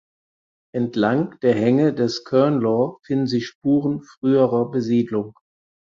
Entlang der Hänge des Kirn Law finden sich Spuren früherer Besiedlung.